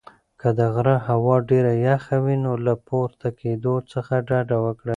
که د غره هوا ډېره یخه وي نو له پورته کېدو څخه ډډه وکړئ.